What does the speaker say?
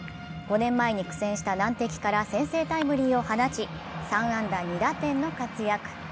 ５年前に苦戦した難敵から先制タイムリーを放ち３安打２打点の活躍。